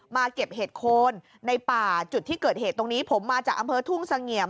เก็บเห็ดโคนในป่าจุดที่เกิดเหตุตรงนี้ผมมาจากอำเภอทุ่งเสงี่ยม